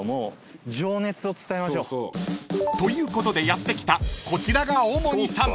［ということでやって来たこちらがオモニさん］